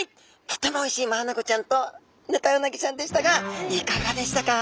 とてもおいしいマアナゴちゃんとヌタウナギちゃんでしたがいかがでしたか？